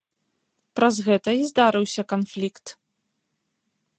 Праз гэта і здарыўся канфлікт.